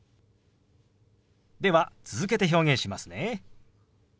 では続けて表現しますね。